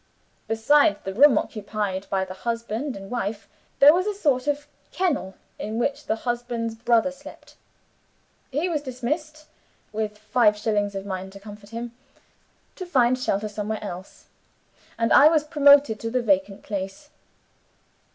Besides the room occupied by the husband and wife, there was a sort of kennel in which the husband's brother slept. He was dismissed (with five shillings of mine to comfort him) to find shelter somewhere else; and I was promoted to the vacant place.